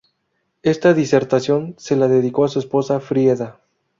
Esta disertación se la dedicó a su esposa Frieda.